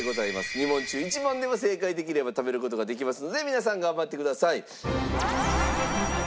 ２問中１問でも正解できれば食べる事ができますので皆さん頑張ってください。